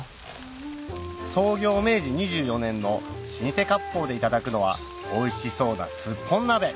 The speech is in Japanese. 創業明治２４年の老舗割烹でいただくのはおいしそうなすっぽん鍋